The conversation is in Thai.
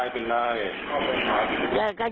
เป็นอะไรครับยายเป็นไร